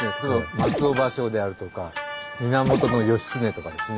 松尾芭蕉であるとか源義経とかですね